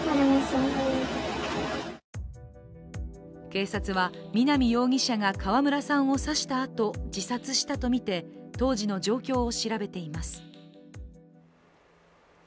警察は南容疑者が川村さんを刺したあと自殺したとみて当時の状況を調べています。